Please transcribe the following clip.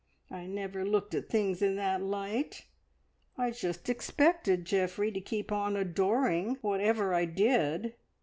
I never looked at things in that light. I just expected Geoffrey to keep on adoring, whatever I did.